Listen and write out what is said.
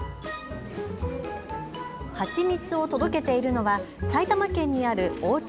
蜂蜜を届けているのは埼玉県にある大妻